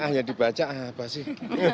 ah ya dibaca apa sih